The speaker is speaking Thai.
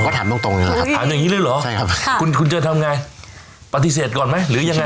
ผมก็ถามตรงอย่างเงี้ยครับถามอย่างงี้เลยหรอใช่ครับคุณเจอร์ทำงานปฏิเสธก่อนมั้ยหรือยังไง